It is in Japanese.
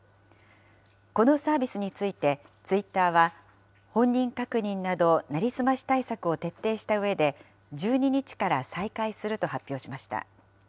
このサービスについて、ツイッターは、本人確認など、成り済まし対策を徹底したうえで、１２日から再開すると発表しました。